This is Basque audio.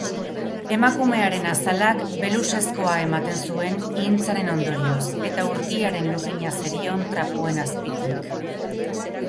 Emakumearen azalak belusezkoa ematen zuen ihintzaren ondorioz eta urkiaren lurrina zerion trapuen azpitik.